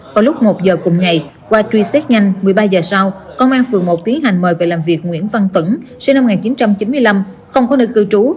vào lúc một giờ cùng ngày qua truy xét nhanh một mươi ba h sau công an phường một tiến hành mời về làm việc nguyễn văn tẩn sinh năm một nghìn chín trăm chín mươi năm không có nơi cư trú